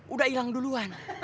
udah hilang duluan